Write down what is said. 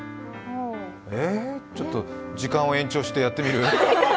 ちょっと時間を延長してやってみる？